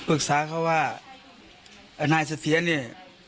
ปรึกษาเขาว่านายเสถียรเนี่ย